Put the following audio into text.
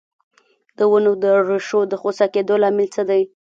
د ونو د ریښو د خوسا کیدو لامل څه دی؟